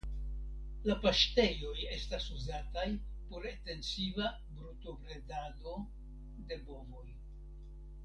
La paŝtejoj estas uzataj por etensiva brutobredado de bovoj.